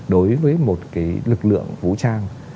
đối với một cái lực lượng vũ trang